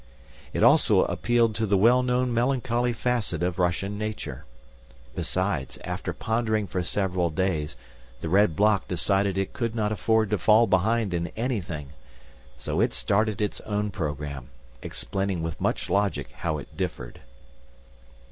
It also appealed to the well known melancholy facet of Russian nature. Besides, after pondering for several days, the Red Bloc decided it could not afford to fall behind in anything, so it started its own program, explaining with much logic how it differed.